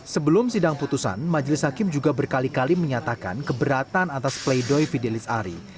sebelum sidang putusan majelis hakim juga berkali kali menyatakan keberatan atas pleidoy fidelis ari